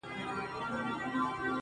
دا د پېړيو اتل مه ورانوی!.